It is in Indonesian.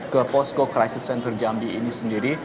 ke posko crisis center jambi ini sendiri